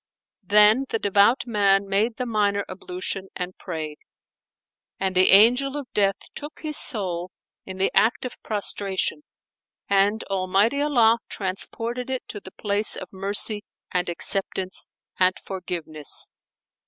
Then the devout man made the minor ablution[FN#455] and prayed: and the Angel of Death took his soul in the act of prostration and Almighty Allah transported it to the place of mercy and acceptance and forgiveness.